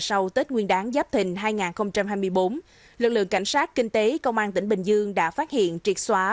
sau tết nguyên đáng giáp thình hai nghìn hai mươi bốn lực lượng cảnh sát kinh tế công an tỉnh bình dương đã phát hiện triệt xóa